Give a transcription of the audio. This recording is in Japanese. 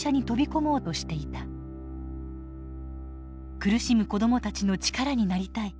苦しむ子どもたちの力になりたい。